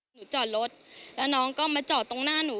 จอดรถแล้วน้องก็มาจอดตรงหน้าหนู